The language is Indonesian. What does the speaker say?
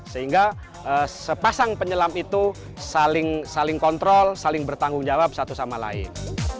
sehingga sepasang penyelam itu saling kontrol saling bertanggung jawab satu sama lain